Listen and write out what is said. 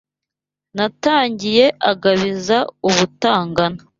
Ntanagiye agabiza u Butangana.